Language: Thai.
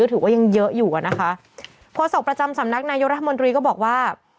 ถือว่ายังเยอะอยู่อ่ะนะคะโฆษกประจำสำนักนายกรัฐมนตรีก็บอกว่า